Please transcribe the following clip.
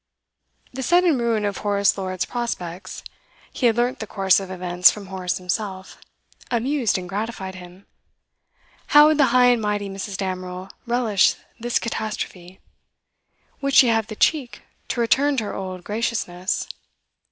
The sudden ruin of Horace Lord's prospects (he had learnt the course of events from Horace himself) amused and gratified him. How would the high and mighty Mrs. Damerel relish this catastrophe? Would she have the 'cheek' to return to her old graciousness?